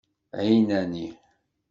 ɛinani.